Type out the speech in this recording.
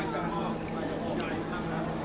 สวัสดีครับ